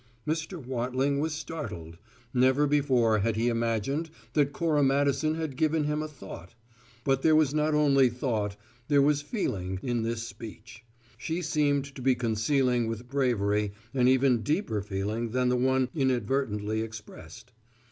Mr. Wattling was startled: never before had he imagined that Cora Madison had given him a thought; but there was not only thought, there was feeling, in this speech. She seemed to be concealing with bravery an even deeper feeling than the one inadvertently expressed.